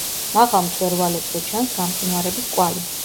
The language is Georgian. მაღალ მწვერვალებზე ჩანს გამყინვარების კვალი.